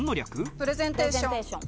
プレゼンテーション。